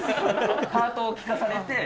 パートを聞かされて。